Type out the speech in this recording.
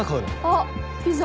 あっピザ。